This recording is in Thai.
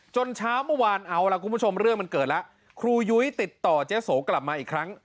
เช้าเมื่อวานเอาล่ะคุณผู้ชมเรื่องมันเกิดแล้วครูยุ้ยติดต่อเจ๊โสกลับมาอีกครั้ง